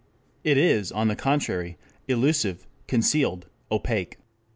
It is, on the contrary, elusive, concealed, opaque.